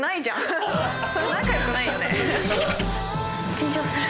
緊張する。